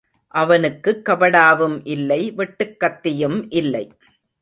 அவனுக்குக் கபடாவும் இல்லை வெட்டுக்கத்தியும் இல்லை.